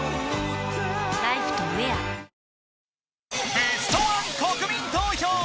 ベストワン国民投票